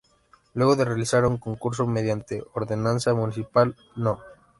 Luego de realizar un concurso, mediante Ordenanza Municipal No.